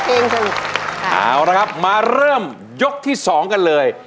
เอาละครับมาเริ่มยกที่สองกันเลย